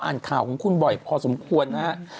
อ่านข่าวของคุณบ่อยพอสมควรนะครับ